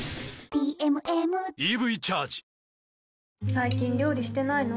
最近料理してないの？